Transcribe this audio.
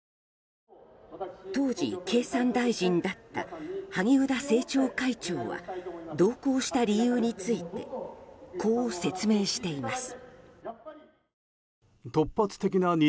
当時経産大臣だった萩生田政調会長は同行した理由についてこう説明しています。